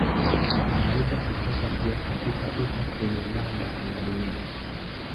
Inaweza kutoka pia katika ufa kwenye ganda la dunia.